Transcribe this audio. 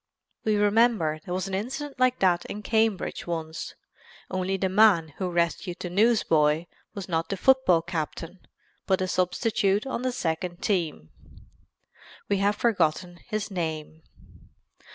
We remember there was an incident like that in Cambridge once, only the man who rescued the newsboy was not the football captain but a substitute on the second team. We have forgotten his name.